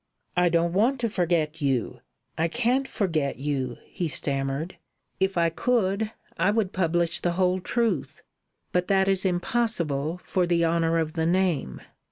"I don't want to forget you. I can't forget you!" he stammered. "If I could, I would publish the whole truth; but that is impossible, for the honour of the name.